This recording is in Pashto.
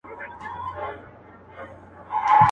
عبدالباري جهاني .